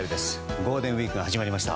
ゴールデンウィークが始まりました。